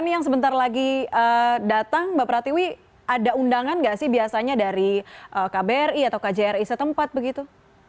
yang sebentar lagi datang mbak pratiwi ada undangan nggak sih biasanya dari kbri atau kjri setempat begitu